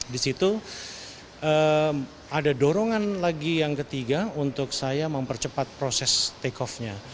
di situ ada dorongan lagi yang ketiga untuk saya mempercepat proses take off nya